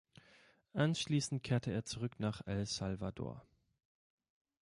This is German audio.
Anschließend kehrte er zurück nach El Salvador.